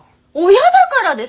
親だからでしょ！？